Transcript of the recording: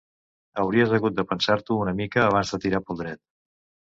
Hauries hagut de pensar-t'ho una mica, abans de tirar pel dret.